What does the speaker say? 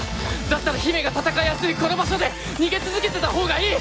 だったら姫が戦いやすいこの場所で逃げ続けてた方がいい！